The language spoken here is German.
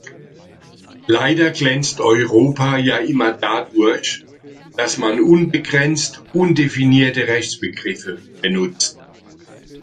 Leider glänzt Europa ja immer dadurch, dass man unbegrenzt undefinierte Rechtsbegriffe benutzt.